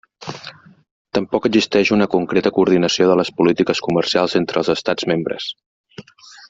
Tampoc existeix una concreta coordinació de les polítiques comercials entre els Estats membres.